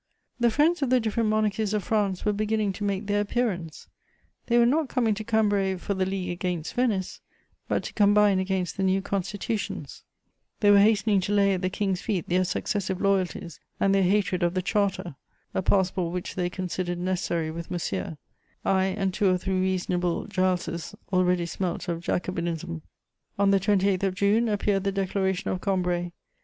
The friends of the different monarchies of France were beginning to make their appearance; they were not coming to Cambrai for the league against Venice, but to combine against the new Constitutions; they were hastening to lay at the King's feet their successive loyalties and their hatred of the Charter: a passport which they considered necessary with Monsieur; I and two or three reasonable Gileses already smelt of Jacobinism. On the 28th of June, appeared the Declaration of Cambrai.